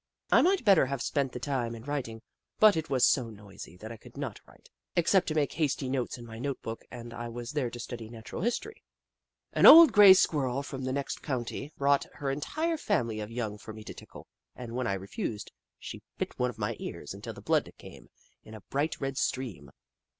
I might better have spent the time in Kitchi Kitchi loi writing, but it was so noisy that I could not write, except to make hasty notes in my note book, and I was there to study Natural His tory. An old grey Squirrel from the next county brought her entire family of young for me to tickle, and when I refused, she bit one of my ears until the blood came in a bright red stream.